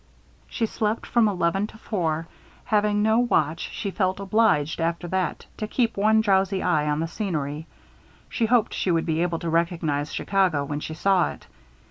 She slept from eleven to four. Having no watch, she felt obliged, after that, to keep one drowsy eye on the scenery. She hoped she should be able to recognize Chicago when she saw it.